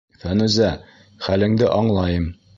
Фәнүзә, хәлеңде аңлайым...